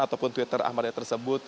ataupun twitter ahmad dhani tersebut